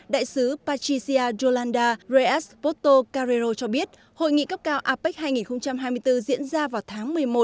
đại sứ patricia yolanda reyes porto carrero cho biết hội nghị cấp cao apec hai nghìn hai mươi bốn diễn ra vào tháng